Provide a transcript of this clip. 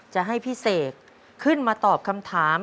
จะให้พี่เสกขึ้นมาตอบคำถาม